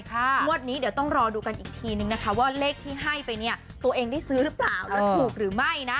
งวดนี้เดี๋ยวต้องรอดูกันอีกทีนึงนะคะว่าเลขที่ให้ไปเนี่ยตัวเองได้ซื้อหรือเปล่าแล้วถูกหรือไม่นะ